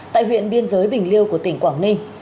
tại huyện biên giới bình liêu của tỉnh quảng ninh